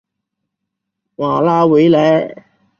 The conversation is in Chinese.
马拉维莱尔。